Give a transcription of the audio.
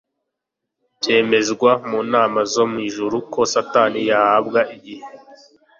byemezwa, mu nama zo mu ijuru ko Satani yahabwa igihe